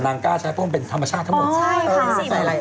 แต่นางกล้าใช้เพราะมันเป็นธรรมชาติทั้งหมด